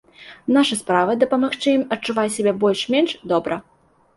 Наша справа, дапамагчы ім адчуваць сябе больш-менш добра.